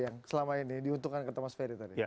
yang selama ini diuntungkan ke temas ferry